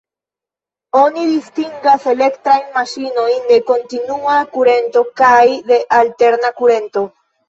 Oni distingas elektrajn maŝinojn de kontinua kurento kaj de alterna kurento.